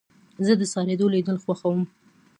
زه د څارويو لیدل خوښوم.